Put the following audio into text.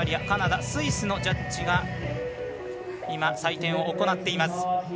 カナダ、スイスのジャッジが採点を行っています。